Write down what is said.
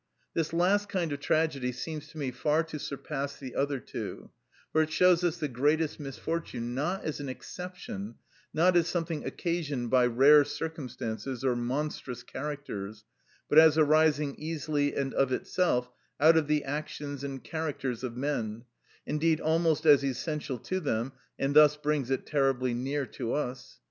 This last kind of tragedy seems to me far to surpass the other two, for it shows us the greatest misfortune, not as an exception, not as something occasioned by rare circumstances or monstrous characters, but as arising easily and of itself out of the actions and characters of men, indeed almost as essential to them, and thus brings it terribly near to us.